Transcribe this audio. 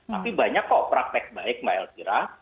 tapi banyak kok praktek baik mbak elvira